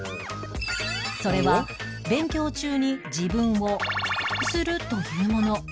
それは勉強中に自分をするというもの